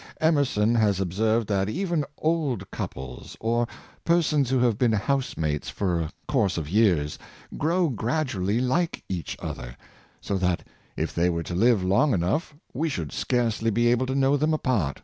Emerson has observed that even old couples, or per sons who have been house mates for a course of years, grow gradually like each other; so that, if they were to live long enough, we should scarcely be able to know them apart.